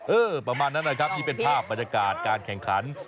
เออประมาณนั้นนะครับนี่เป็นภาพบรรยากาศการแข่งขัน